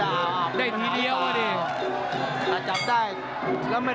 นี่นี่นี่นี่